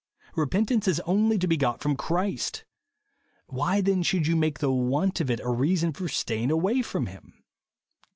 Repentance is only to be got from Christ. Why then should you make the want of it a reason for staying away from him